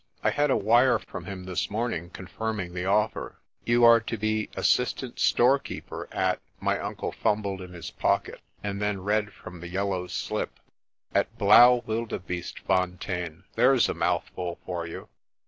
I had a wire from him this morning confirm ing the offer. You are to be assistant storekeeper at " (my uncle fumbled in his pocket, and then read from the yellow slip) "at Blaauwildebeestefontein. There's a mouthful for you."